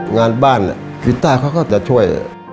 งานบ้านกีต้าเขาก็จะช่วย